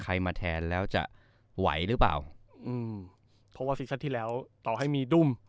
ใครมาแทนแล้วจะไหวหรือเปล่าอืมเพราะว่าซีซัดที่แล้วต่อให้มีด้ม